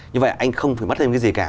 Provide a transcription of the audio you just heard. như vậy anh không phải mất thêm cái gì cả